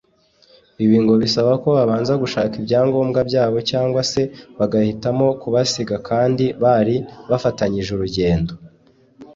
Ibi ngo bisaba ko babanza gushaka ibyangombya byabo cyangwa se bagahitamo kubasiga kandi bari bafatanyije urugendo